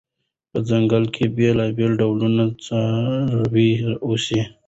په ځنګل کې بېلابېل ډول ځناور اوسي.